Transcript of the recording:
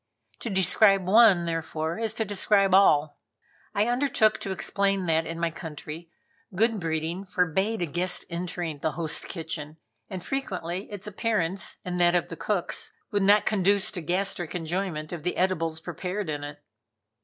To describe one, therefore, is to describe all. I undertook to explain that in my country, good breeding forbade a guest entering the host's kitchen, and frequently its appearance, and that of the cook's, would not conduce to gastric enjoyment of the edibles prepared in it.